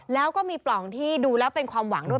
แล้วก็มีปล่องที่ดูแล้วเป็นความหวังด้วย